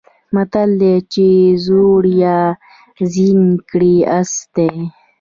متل دی چې زوړ یار زین کړی آس دی.